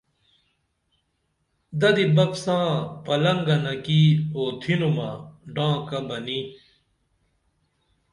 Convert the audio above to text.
ددی بپ ساں پِلنگنہ کی اُتِھنُمہ ڈانکہ بنی